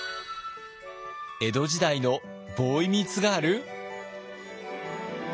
江戸時代のボーイミーツガール？